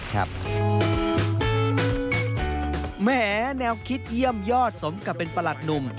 แหมแนวคิดเยี่ยมยอดสมกับเป็นประหลัดหนุ่ม